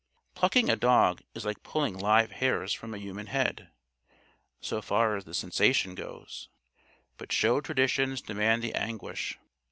"Plucking" a dog is like pulling live hairs from a human head, so far as the sensation goes. But show traditions demand the anguish.